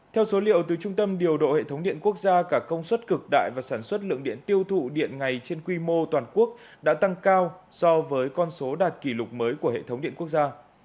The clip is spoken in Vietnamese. theo số liệu từ trung tâm điều độ hệ thống điện quốc gia cả công suất cực đại và sản xuất lượng điện tiêu thụ điện ngày trên quy mô toàn quốc đã tăng cao so với con số đạt kỷ lục mới của hệ thống điện quốc gia